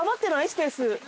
スペース。